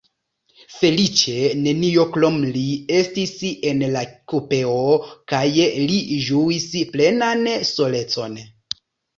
Feliĉe neniu krom li estis en la kupeo, kaj li ĝuis plenan solecon.